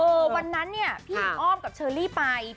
วันนั้นเนี่ยพี่หญิงอ้อมกับเชอรี่ไป